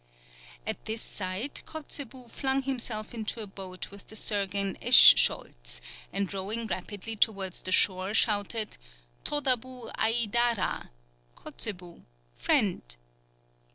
At this sight, Kotzebue flung himself into a boat with the surgeon Eschscholtz, and rowing rapidly towards the shore, shouted: "Totabou aïdara" (Kotzebue, friend).